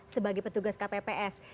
sebagai petugas kpps